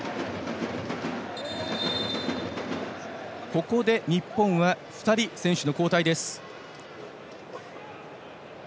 ここで日本は２人、選手交代です。